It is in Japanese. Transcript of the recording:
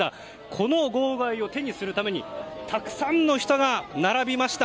この号外を手にするためにたくさんの人が並びました。